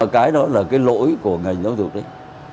cái đó là cái lỗi của ngành giáo dục đấy